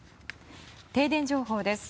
停電情報です。